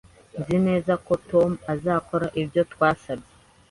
Nzi neza ko Tom azakora ibyo twasabye